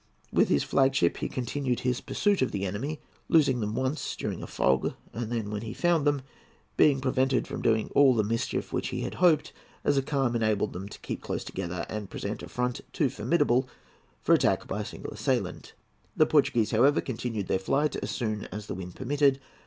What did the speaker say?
With his flag ship he continued his pursuit of the enemy, losing them once during a fog, and, when, he found them, being prevented from doing all the mischief which he hoped, as a calm enabled them to keep close together and present a front too formidable for attack by a single assailant. The Portuguese, however, continued their flight as soon as the wind permitted.